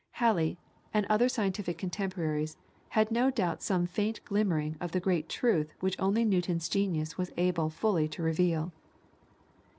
Halley, and other scientific contemporaries, had no doubt some faint glimmering of the great truth which only Newton's genius was able fully to reveal.